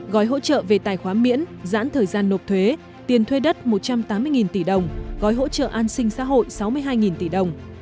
gói hỗ trợ về tài khoá miễn giãn thời gian nộp thuế tiền thuê đất một trăm tám mươi tỷ đồng gói hỗ trợ an sinh xã hội sáu mươi hai tỷ đồng